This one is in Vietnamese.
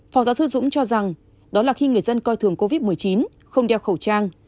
phó giáo sư dũng cho rằng đó là khi người dân coi thường covid một mươi chín không đeo khẩu trang